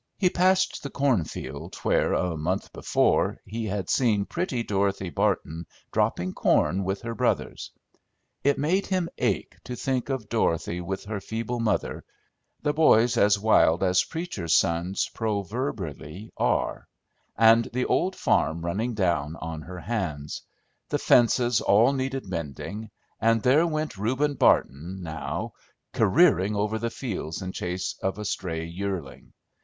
He passed the cornfield where, a month before, he had seen pretty Dorothy Barton dropping corn with her brothers. It made him ache to think of Dorothy with her feeble mother, the boys as wild as preachers' sons proverbially are, and the old farm running down on her hands; the fences all needed mending, and there went Reuben Barton, now, careering over the fields in chase of a stray yearling.